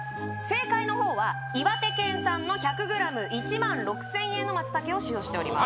正解のほうは岩手県産の１００ｇ１６，０００円の松茸を使用しております